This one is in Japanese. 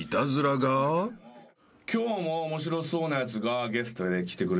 今日も面白そうなやつがゲストで来てくれています。